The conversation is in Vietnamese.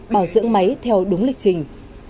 bảo dưỡng máy theo đúng lịch trình